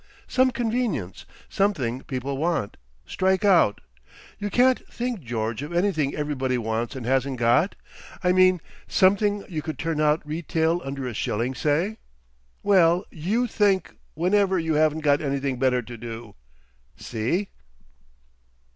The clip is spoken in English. Some convenience. Something people want.... Strike out.... You can't think, George, of anything everybody wants and hasn't got? I mean something you could turn out retail under a shilling, say? Well, you think, whenever you haven't got anything better to do. See?"